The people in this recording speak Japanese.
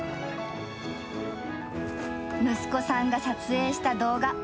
息子さんが撮影した動画。